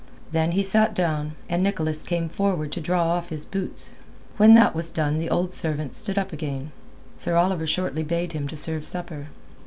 Then he sat down, and Nicholas came forward to draw off his boots. When that was done and the old servant stood up again, Sir Oliver shortly bade him to serve supper.